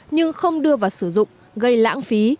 nhưng không đưa vào sử dụng gây lãng phí